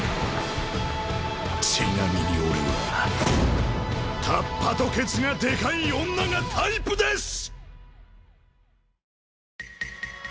ちなみに俺はタッパとケツがでかい女がタイプです！